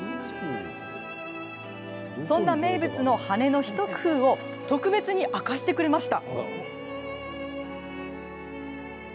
そんな名物の羽根の一工夫を特別に明かしてくれました。